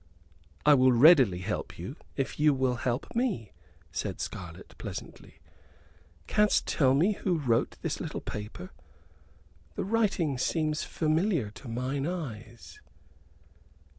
"I will readily help you if you will help me," said Scarlett, pleasantly. "Canst tell me who wrote this little paper? The writing seemeth familiar to mine eyes."